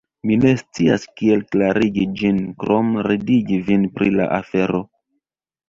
Mi ne scias kiel klarigi ĝin krom ridigi vin pri la afero